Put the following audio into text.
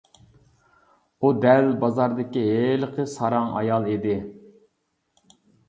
ئۇ دەل بازاردىكى ھېلىقى ساراڭ ئايال ئىدى.